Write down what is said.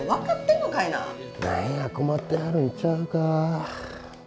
何や困ってはるんちゃうか？